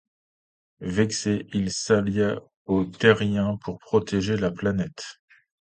Vexé, il s'allia aux terriens pour protéger la planète.